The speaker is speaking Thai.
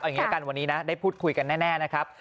อย่างนี้ละกันวันนี้นะได้พูดคุยกันแน่นะครับ